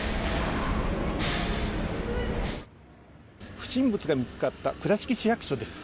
不審物が見つかった倉敷市役所です。